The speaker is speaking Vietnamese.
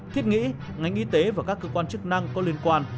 thiết nghĩ ngành y tế và các cơ quan chức năng có liên quan